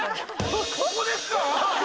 ここですか？